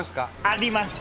あります。